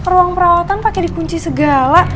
ruang perawatan pakai dikunci segala